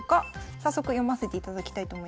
早速読ませていただきたいと思います。